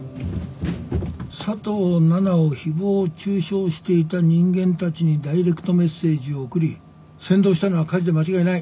佐藤奈々を誹謗中傷していた人間たちにダイレクトメッセージを送り扇動したのは梶で間違いない。